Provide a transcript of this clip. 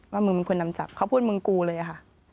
มึงเป็นคนนำจับเขาพูดมึงกูเลยค่ะ